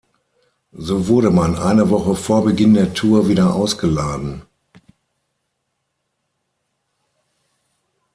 So wurde man eine Woche vor Beginn der Tour wieder ausgeladen.